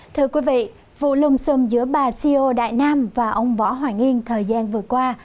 thưa quý vị vụ lùng xùm giữa bà ceo đại nam và ông võ hoàng yên thời gian vừa qua